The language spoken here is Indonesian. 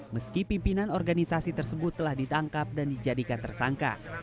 meski pimpinan organisasi tersebut telah ditangkap dan dijadikan tersangka